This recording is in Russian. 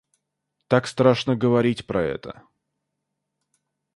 Так страшно говорить про это.